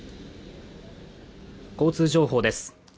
交通情報です